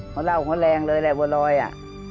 เขาเล่าเขาแรงเลยแหละบัวรอยอ่ะ